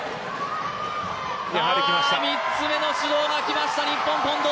３つ目の指導がきました、日本の近藤。